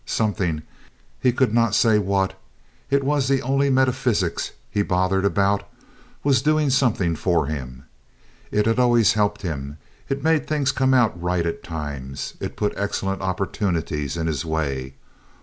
Something—he could not say what—it was the only metaphysics he bothered about—was doing something for him. It had always helped him. It made things come out right at times. It put excellent opportunities in his way.